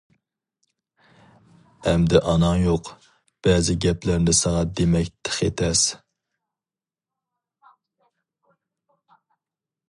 ئەمدى ئاناڭ يوق، بەزى گەپلەرنى ساڭا دېمەك تېخى تەس.